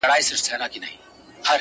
سرکښي نه کوم نور خلاص زما له جنجاله یې _